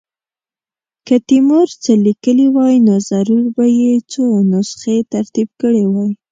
که تیمور څه لیکلي وای نو ضرور به یې څو نسخې ترتیب کړې وای.